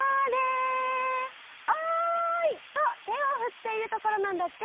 「おい」とてをふっているところなんだって。